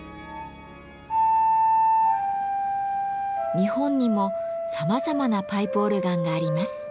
日本にもさまざまなパイプオルガンがあります。